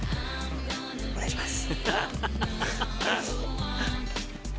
お願いします。